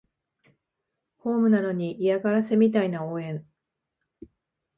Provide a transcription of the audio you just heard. ホームなのに嫌がらせみたいな応援